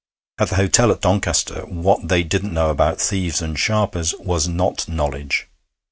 At the hotel at Doncaster, what they didn't know about thieves and sharpers was not knowledge.